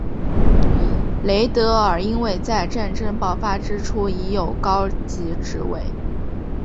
雷德尔因为在战争爆发之初已有高级职位。